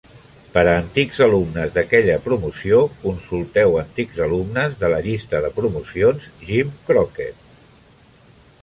Per a antics alumnes d'aquella promoció, consulteu antics alumnes de la Llista de promocions Jim Crockett.